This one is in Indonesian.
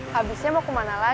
habisnya mau kemana